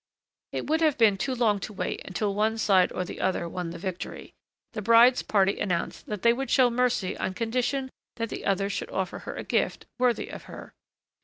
It would have been too long to wait until one side or the other won the victory. The bride's party announced that they would show mercy on condition that the others should offer her a gift worthy of her.